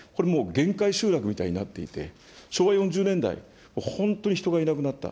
これ、もう限界集落みたいになっていて、昭和４０年代、本当に人がいなくなった。